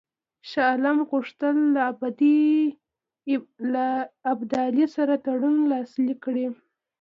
شاه عالم غوښتل له ابدالي سره تړون لاسلیک کړي.